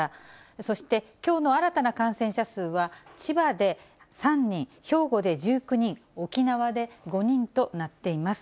そして、きょうの新たな感染者数は千葉で３人、兵庫で１９人、沖縄で５人となっています。